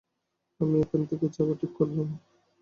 আমি থেকে যাওয়াই ঠিক করলাম।